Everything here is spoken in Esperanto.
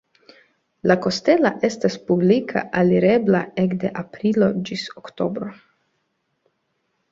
La kastelo estas publike alirebla ekde aprilo ĝis oktobro.